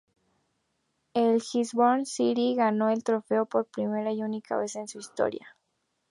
El Gisborne City ganó el trofeo por primera y única vez en su historia.